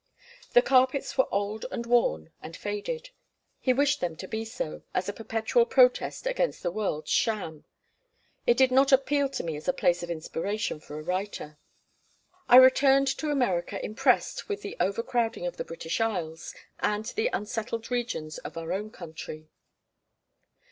The carpets were old and worn and faded. He wished them to be so, as a perpetual protest against the world's sham. It did not appeal to me as a place of inspiration for a writer. I returned to America impressed with the over crowding of the British Isles, and the unsettled regions of our own country.